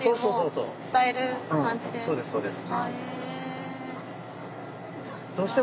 そうですそうです。